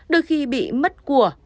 đôi khi bị mất cuộc